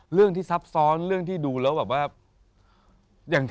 เรื่องที่ซับซ้อนเรื่องที่ดูแล้วแบบว่า